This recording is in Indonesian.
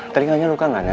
telinganya luka gak